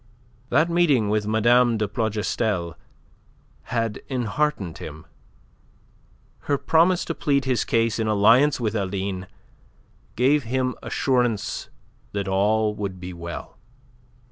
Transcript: That meeting with Mme. de Plougastel had enheartened him; her promise to plead his case in alliance with Aline gave him assurance that all would be well.